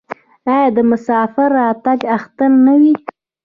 آیا د مسافر راتګ اختر نه وي؟